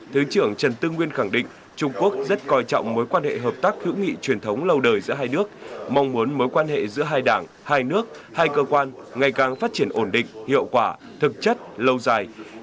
thứ trưởng trần tư nguyên khẳng định trung quốc rất coi trọng mối quan hệ hợp tác hữu nghị truyền thống lâu đời giữa hai nước mong muốn mối quan hệ giữa hai đảng hai nước hai cơ quan ngày càng phát triển ổn định hiệu quả thực chất lâu dài